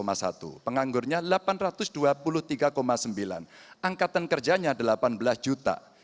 mereka walau di mana